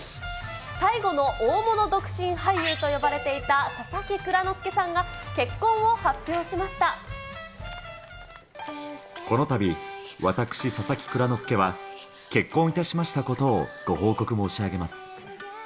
最後の大物独身俳優と呼ばれていた佐々木蔵之介さんが、結婚を発このたび、私、佐々木蔵之介は結婚いたしましたことをご報告申し上げます。